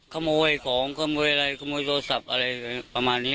ขโมยของขโมยอะไรขโมยโทรศัพท์อะไรประมาณนี้